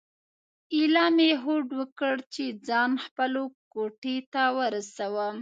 ایله مې هوډ وکړ چې ځان خپلو کوټې ته ورسوم.